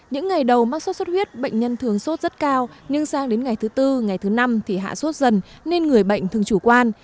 những ngày đầu mắc sốt xuất huyết bệnh nhân thường sốt rất cao nhưng sang đến ngày thứ tư ngày thứ năm thì hạ sốt dần nên người bệnh thường chủ quan